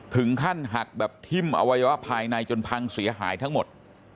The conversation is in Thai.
ถึงขั้นหักแบบทิ่มอวัยวะภายในจนพังเสียหายทั้งหมด